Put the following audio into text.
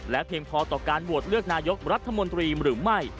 เพียงพอต่อการโหวตเลือกนายกรัฐมนตรีหรือไม่